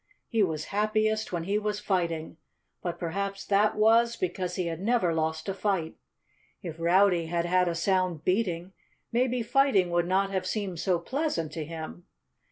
He was happiest when he was fighting. But perhaps that was because he had never lost a fight. If Rowdy had had a sound beating, maybe fighting would not have seemed so pleasant to him.